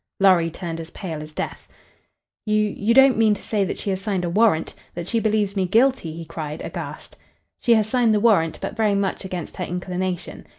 Lorry turned as pale as death. "You you don't mean to say that she has signed a warrant that she believes me guilty," he cried, aghast. "She has signed the warrant, but very much against her inclination.